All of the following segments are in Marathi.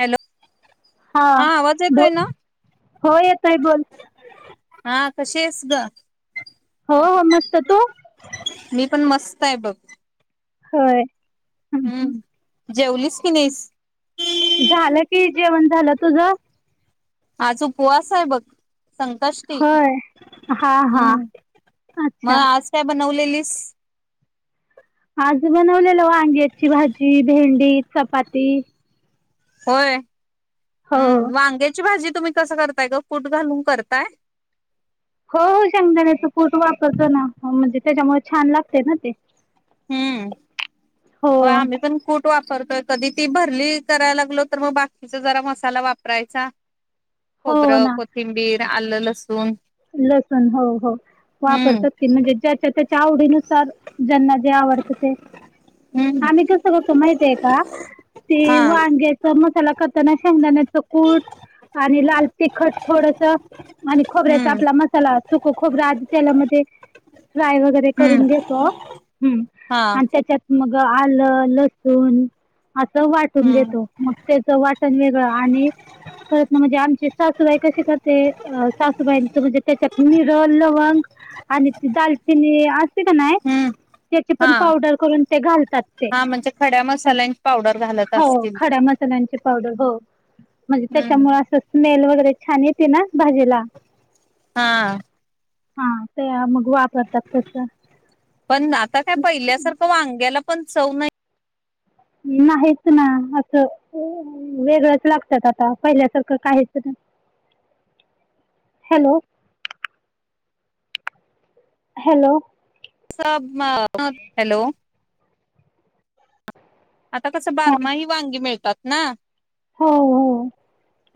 हॅलो, हा आवाज ब येतोय ना? हो येतोय बोल हा कसे आहेस ग? हो हो मस्त तू? मी पण मस्त आहे बघ, होय, हं हं. हम्म जेवलीस की नाहीस? झालं कि जेवण झालं तुझ? आज उपवास आहे बघ. संकष्टी होय. हा हा हम् मग अच्छा आज काय बनवलेली स? आज बनवलेला वांग्याची भाजी, भेंडी, चपाती. होय, हो. हम्म वांग्याची भाजी तुम्ही कसं करताय ग कूट घालून करताय. हो हो शेंगदाण्याचा कूट वापरतो ना म्हणजे त्याच्यामुळे छान लागते ना ते. हम्म हो आम्ही पण कुट वा परतोय. कधी ती भरली करायला लागलो तर मग बाकीचा जरा मसाला वापरायचा. हो खोबरं, ना कोथिंबीर, आलं, लसूण लसूण हो हो हम्म वापरतात. की म्हणजे ज्याच्या त्याच्या आवडीनुसार ज्यांना ते आवडत ते. हम्म आम्ही कस करतो माहितय का हा ते वांग्याचा मसाला करताना शेंगदाण्या च कूट आणि लाल तिखट थोडस आणि खोबऱ्यात हम्म आपला मसाला सुक खोबर आधी तेला मध्ये, फ्राय वगैरे करून हम्म घेतो हम हा आणि त्याच्यात मग आलं, लसूण असं वाटून हम्म घेतो मग त्याचं वाटण वेगळं आणि परत ना म्हणजे आमचे सासूबाई कशी करते सासूबाई आणि ती दालचिनी अस ते का नाय हम्म त्याचे हा पण पावडर करून, तेन घालतात ते हा म्हणजे खड्या मसाल्यांची पावडर घालत हो असतील खड्या मसाल्यांची पावडर हो. म्हणजे हम्म त्याच्यामुळे, असं स्मेल वगैरे छान येते ना भाजीला हा. हा ते मग वापरतात तसं पण आता काय पहिल्यासारखं वांग्याला पण चव नाही? नाहीच ना असं ते अ वेगळंच लागत्यात, आता पहिल्यासारखं काहीच नाही ह [inaudible] हॅलो. हॅलो. [unintelligible] हॅलो. आता तसं हा बारमाही वांगी मिळतात ना! हो हो.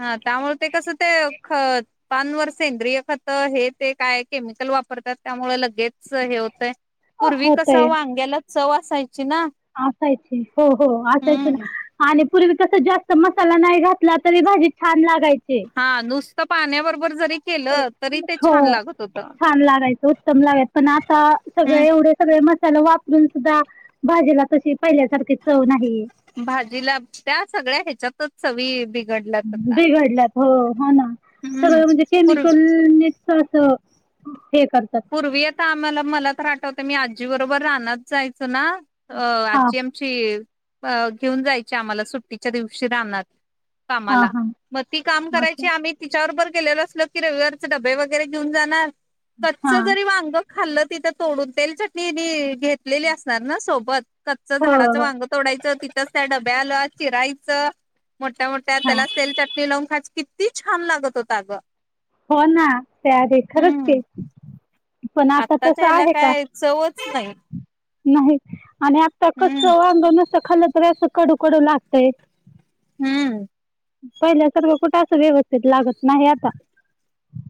हा त्यामुळे ते कस, ते खत पानवर सेंद्रिय खत हे ते काय केमिकल वाप? करत्यात त्यामुळे लगेच हे होतय, हो पूर्वी कस होतय वांग्याला चव असायची ना असायची हो हो असायची हम्म ना आणि पूर्वी कस जास्त मसाला नाही घातला तरी भाजी छान लागायची. हा नुसत पाण्याबरोबर जरी केलं तरी ते हो छान लागत होत. छान लागायचं उत्तम लागायच, पण आता हम्म सगळे एवढे सगळे मस् साले वापरून सुद्धा भाजीला तशी पहिल्यासारखी चव नाहीये भाजीला त्या सगळ्या हेच्यातच चवी बि बिघडल्यात हों हों, नां हम्म सगळं म्हणजे पूर् केमिकलने सहस पूर्वी आता आम्हाला मलातर आठवतय, मी आजी बरोबर रानात जाय चना अं हा आज्जी आमची अं घेऊन जायची, आम्हाला सुट्टीच्या दिवशी रानात हा कामाला हा मग ती काम अच्छा करायची आम्ही तिच्याबरोबर केलेल असल की, रविवारचे डबे वगैरे घेऊन जाणार कच्च हा जरी वांग खाल्लं तिथं तोडून, तेल चटणी मी घेतलेली असणार नां सोबत कच्च हो झाडाचं हो वांग तोडायचं, तिथंच त्या डब्याला चिरायचं मोठ्या मोठ्या हा त्याला तेल, चटणी लावून खायच, किती छान लागत होत अगं? हों ना त्या आधी खरंच हम्म की पण आता आत्ताच्या तसं ह्याला आहे का काय चवच नाही? नाही आणि आता कच्च वांग नुसत खाल्लं तरी, असं कडू कडू लागतय हुं. पहिल्यासारखं कुठ असं व्यवस्थित लागत नाही आता.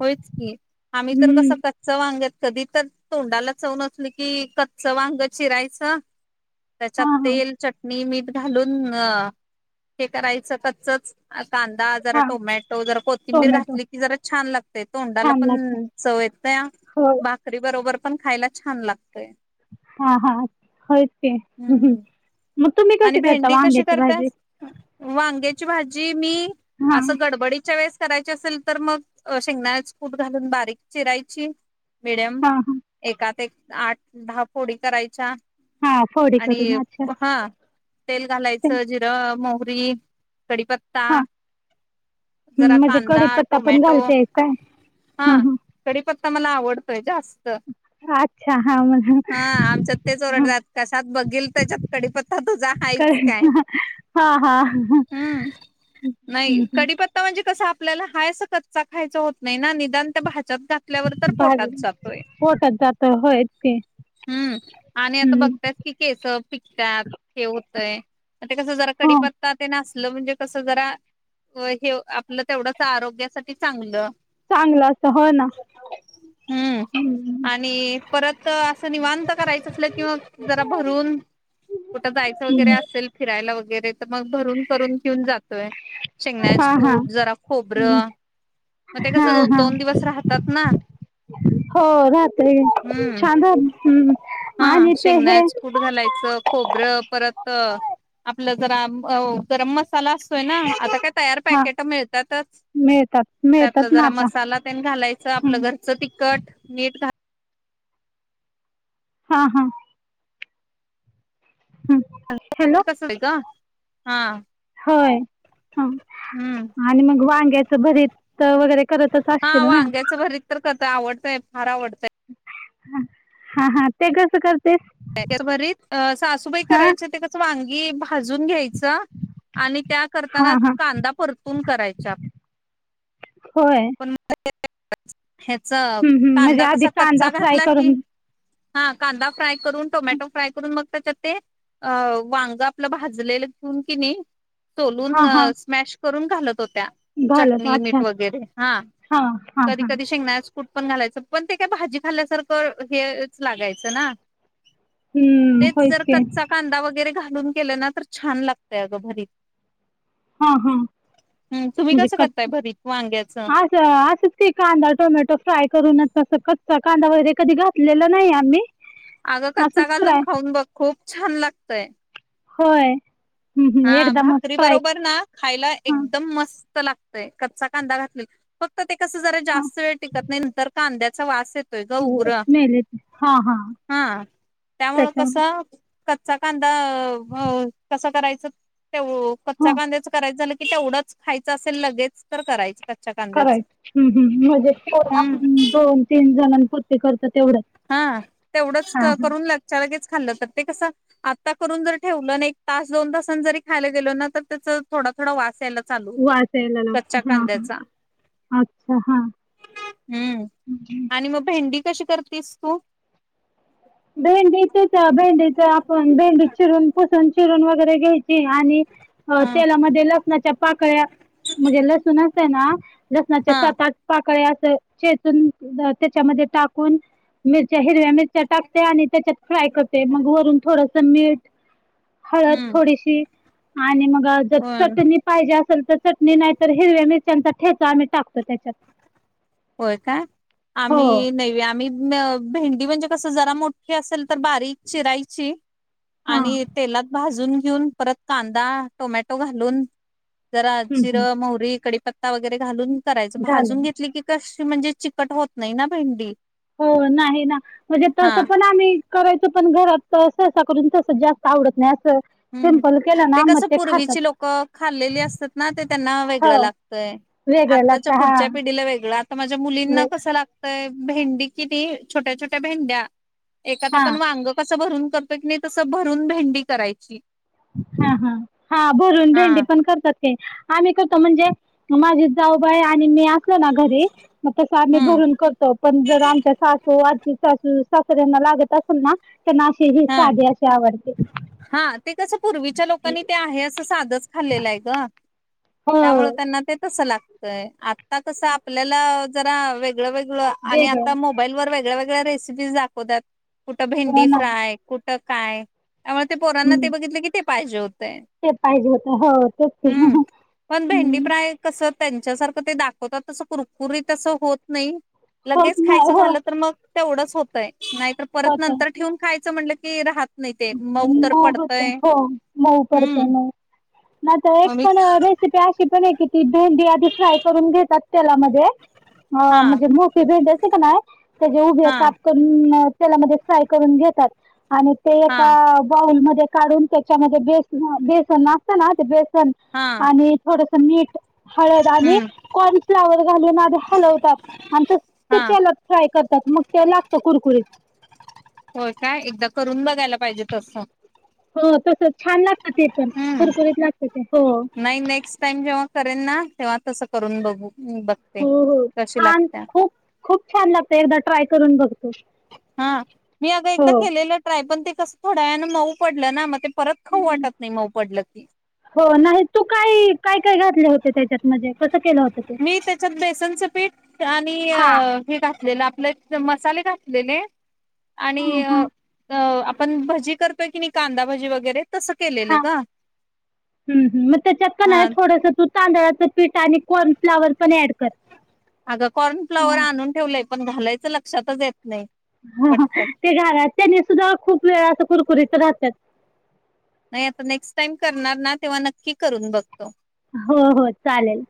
होयच की, आम्ही तर कस हम्म कच्च वांग्यात- कधी तर तोंडाला चव नसलं, की कच्च वांग चिरायचं त्याच्यात हा हा तेल, चटणी, मीठ घालूनं हे करायचं कच्चच कांदा, जरा हा टोमॅटो, जरा कोथिंबीर टोमॅटो घातली की जरा छान लागत. य तोंडाला छान पण लागते चवयेत्या हो भाकरी बरोबर पण खायला छान लाग हां हां होय की हम्म [unintelligible] आणि कशी करता भेंडी कशी वांग्याची भाजी करत्यास, वांग्या ची भाजी मी हा असं गडबडीच्या वेळेस करायची असेल, तर मग शेंगदाण्याच कुट घालून बारीक चिरायची- मिडियम हा एकात एक आठ दहा फोडी करायच्या हा फोडी आणि करून अच्छा हां. तेल घालायचं त्यांची जिरं, मोहरी, कडीपत्ता हा जरा हम्म, म्हणजे कांदा कडीपत्ता पण टोमॅटो घालतेय काय ह हां ह कडीपत्ता मला आवडत- तोय जास्त- त अच्छा हा मला हां आमच्यात तेंच हा ओरडतात कशात बघील त्याच्यात कडीप- त्ता तुझाहायच काय कळलं. हा हा हा. हुं. नाही हम्म, हम्म. कडीपत्ता म्हणजे कसं आपल्याला हाय तसा कच्चा खायच होत नाही नां निदान त्या- ज्यात घाटल्यावर तर भाज पोटात जातोय- पोटात जात होय ते हुंआणि आता हम्म बघत्यास कि केस पिकत्यात. हें होतयं ते कसं जरा हो कडीपत्ता तेन अस- आपलं म्हणजे कस जरा अं हे आपलं तेवढच आरोग्यासाठी चांगलं. चांगलं असंत होनार हुं- त असं निवांत करायचं असल कि मग जरा भरून कुठे जायचं वगैरे हम्म. असेल फिरा- यला वगैरे- तर मग भरून करून घेऊन जातोय शेंगण्याच हा हा फूट जरा हम्म. खोबर- मग ते हा कसं हा दोन दिवस राहतात नां. हो राहतेय छान हो हुं. हां शेंगदाण्याच कुट घालायचं खोबरं परत अं- अं आपलं जरा ओ गरम- साला असतोय नां आता काय तयार हा पॅकेट मिळतातच. मिळतात त्यातला मिळतात ना जरा आता मसाला घालायचं आपलं हम्म. घरचं तिखट मीठ घा- हां हां हॅलो कस आहेय का हा होय हा हम्म आणि मग वांग्याच भरीत वगैरे करतच हा असशील ना वांग्याच भरीत तर कस आवडतंय फार आवडतं हा हा ते कस करती भरीत सासूबाई हा करायच्या ते कस वांगी भाजून घ्यायची घ्यायचं आणि त्या हा करताना हा कांदा परतून करायच्या होय पण म ह्याच हम्म हम्म म्हणजे कांदा आधी कसा कांदा कच्चा फ्राय घातला की करून हा कांदा फ्राय करून टोमॅटो फ्राय करून मग त्याच्यात ते अ वांग आपलं भाजलेलं घेऊन कणी सोलून हा हा स्मॅश करून घालत होत्या घालत चटणी अच्छा मीठ वगैरे हा हा कधी हा कधी शेंगदाण्याचे कूट कूट पण घालायच पण ते काय भाजी खाल्ल्यासारखं हेच लागायचं ना हम्म तेच होय जर की कच्चा कांदा वगैरे घालून केलं ना तर छान लागतय अगं भरीत हा हा हम्म तुम्ही म्हणजे कसं क करताय भरीत वांग्याचं असं असंच की कांदा टोमॅटो फ्राय करूनच तसं कच्चा कांदा वगैरे कधी घातलेला नाही आम्ही अगं असंच कच्चा घालून फ्राय खाऊन बघ खूप छान लागतय होय हम्म हम्म हा एकदमच भाकरी फ्राय बरोबर ना खायला हा एकदम मस्त लागतय कच्चा कांदा घातलं की फक्त ते कस जरा हा जास्त वेळ टिकत नाही नंतर कांद्याचा वास येतोय ग उग्र स्मेल येते हा हा त्यामुळं त्याच्या कसं कच्चा कांदा कसा करायचं ते कच्च्या हा कांद्याचं करायच झालं की तेवढंच खायचं असेल लगेच तर करायचं कच्च्या कांद्याचं करायच म्हणजे हम्म आपण दोन तीन जनानपुरती कर हा तेवढंच हा करून लगच्या लगेच खाल्लं तर ते कसं आता करून जर ठेवलं आणि एक दोन तासानंतर खायला गेलो ना त्याच थोडं थोडा वास यायला चालू होतोय, वाचायला लागत कच्चा हा हा कांद्याचा अच्छा हा. हम्म, आणि मग भेंडी कशी करतेस तू? भेंडी तेच, भेंडीच आपण भेंडी चिरून, पुसून, चिरून, वगैरे घ्यायची आणि हा तेलामध्ये लसणाच्या पाकळ्या म्हणजे लसूण अस आहे ना, लसणाच्या हा सात, आठ, पाकळ्या चेचून, त्याच्यामध्ये टाकून मिरच्या, हिरव्या मिरच्या, टाकून आणि त्याच्यात फ्राय करते. मग वरून थोडस मीठ, हळद हम्म थोडीशी आणि मग जर होय चटणी पाहिजे असेल तर, चटणी नाही तर हिरव्या मिरच्या मिरच्यांचा ठेचा आम्ही टाकतो त्याच्यात. होय काय, हो आम्ही नै आम्ही भेंडी म्हणजे कस जरा मोठी असेल तर, बारीक चिरायची हा आणि तेलात भाजून घेऊन परत कांदा टोमॅटो घालून, जरा हम्म जिर, हम्म मोहरी, कढीपत्ता कढीपत्ता वगैरे घालून करायच भाजून घालून घेतली की, कशी म्हणजे चिकट होत नाही ना भेंडी. हो नाही ना, म्हणजे हा तसं पण आम्ही करायच. पण घरात सहसा करून तसं जास्त आवडत नाही. अस हम्म, ते कसं पूर्वीची लोक खाल्लेली असतात ना, ते त्यांना हो वेगळं लागतय. वेगळं लागत आत्ताच्या हा पुढच्या पिढीला वेगळं, आता माझ्या मुलींना वे कसं लागतंय भेंडी किती, छोट्या, छोट्या, भेंड्या एकात हा आपण वांग कस भरून करतो की नाही, तसं भरून भेंडी करायची. हा, हा, हा, भरून भेंडी हा. पण करतात. आम्ही करतो, म्हणजे माझी जाऊबाई आम्ही असलो ना घरी मग त आम्ही हम्म भरून करतो. पण जर आमच्या सासू सासू सासऱ्यांना लागत असेल ना. ना असे हे हा साधे असे आवडते. हा ते कसं पूर्वीच्या लोकांनी ते आहे, असं साधच खाल्लेलंय ग. हो त्यामुळे त्यांना ते तस लागतय. आता कस आपल्याला जरा वेगळ वेगळ. आणि वेगळं आता मोबाईल वर वेगळ्या वेगळ्या रेसिपीज दाखवतात. कुठं हो भेंडी ना फ्राय, कुठं काय. त्यामुळे ते पोरांना ते हम्म बघितलं की ते पाहिजे होत. नाही ते. पाहिजे होत हो तेच ते हम्म, पण भेडी हम्म प्राय कस त्यांच्यासारखं ते दाखवतात. तस कुरकुरी तसं होत नाही. होत लगेच ना खायचं हो झालं तर मग तेवढंच होतय, नाही तर परत होत नंतर ठेऊून खायचं म्हटलं की राहत नाही ते तर मऊ होत, पडतंय हो. मऊ पडतंय हम्म मऊ. नाही तर एक अमित पण रेसिपी अशी पणे की ती भेंडी आधी फ्राय करून घेतात तेलामध्ये, अ हा म्हणजे मोठी भेंडी असते का नाही त्याचे उभे हा काप करून, तेला मध्ये फ्राय करून घेतात, आणि ते हा एका बाऊलमध्ये काढून त्याच्यामध्ये बेसन असत ना ते बेसन हा आणि थोडास मीठ. हळद आणि हम्म कॉर्नफ्लावर घालून आधी हलवतात, आणि तस ते हा तेलात फ्राय करतात मग ते लागत कुरकुरीत होय काय? एकदा करून बघायला पाहिजे तस. हो तस छान लागत, ते पण, हम्म कुरकुरीत लागत ते हो. नाही नेक्स्ट टाइम जेव्हा तेव्हा तस करून बघू, बघते हो हो कशी छान लागते. खूप खूप छान लागत एकदा ट्राय करून बघ. हा मी अग एकदा केलेलं ट्राय, पण ते कस थोड्या वेळा ने मऊ पडलं ना, म ते परत खाऊ वाटत नाही मऊ पडलं की हो नाही तू काय काय काय घातले होते. त्याच्यात मध्ये मी त्याच्यात बेसनचं पीठ आणि हा हे घातलेलं, आपले मसाले घातलेले आणि हा हा अ पण भजी करतोय की नाही, कांदा भजी वगैरे तसं हा केलेलं ग हम्म हम्म मग तेच्यात कनाय हा थोडस तू तांदळाच [unintelligible] आणि कॉर्नफ्लावर पण ऍड कर अगं कॉर्न फ्लाॉवर हा आणून ठेवलंय, पण घालायचं लक्षातच येत नाही. ह पटकन ते घरात त्याने सुद्धा खूप वेळा असं कुरकुरीत राहतात. नाही आता नेक्स्ट टाइम करणार ना तेव्हा नक्की करून बघ. हो हो चालेल.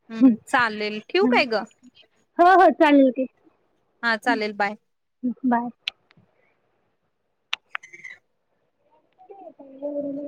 चालेल ठेवू काय ग? हो हो चालेल की. हा चालेल बाय बाय. [unintelligible]